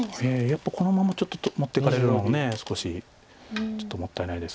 やっぱこのままちょっと持ってかれるのも少しちょっともったいないですもんね。